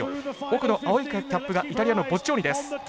奥の青いキャップがイタリアのボッジョーニです。